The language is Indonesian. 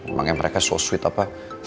emangnya mereka so sweet apa